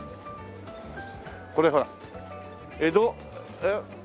これほら「江戸」。